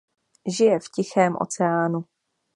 Žije v Tichém oceánu.